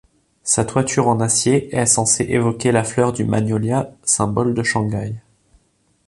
Sa toiture en acier est censée évoquer la fleur du magnolia symbole de Shanghai.